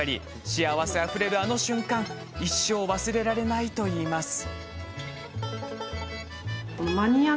幸せあふれる、あの瞬間一生忘れられないといいます。